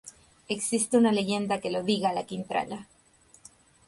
Existe una leyenda que lo liga a La Quintrala.